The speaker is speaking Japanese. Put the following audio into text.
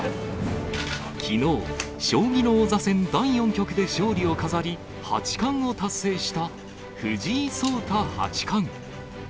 きのう、将棋の王座戦第４局で勝利を飾り、八冠を達成した藤井聡太八冠。